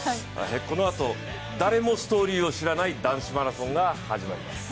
このあと誰もストーリーを知らない男子マラソンが始まります！